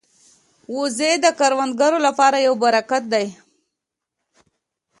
وزې د کروندګرو لپاره یو برکت دي